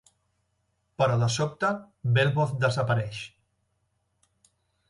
Però, de sobte, Belboz desapareix.